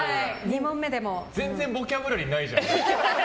全然ボキャブラリーないじゃん。